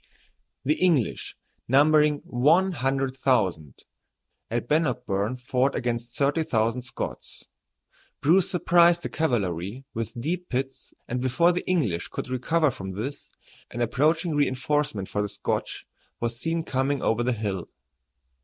The English, numbering one hundred thousand, at Bannockburn fought against thirty thousand Scots. Bruce surprised the cavalry with deep pits, and before the English could recover from this, an approaching reinforcement for the Scotch was seen coming over the hill.